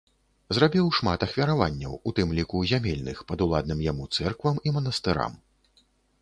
Зрабіў шмат ахвяраванняў, у тым ліку зямельных, падуладным яму цэрквам і манастырам.